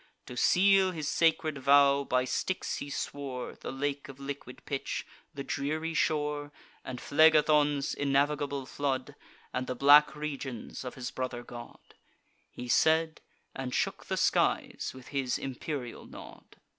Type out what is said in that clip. To seal his sacred vow, by Styx he swore, The lake of liquid pitch, the dreary shore, And Phlegethon's innavigable flood, And the black regions of his brother god. He said; and shook the skies with his imperial nod.